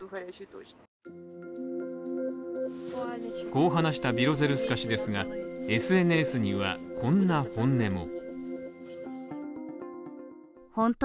こう話したビロゼルスカ氏ですがＳＮＳには、こんな本音も。